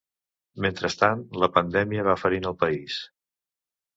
Mentrestant, la pandèmia va ferint el país.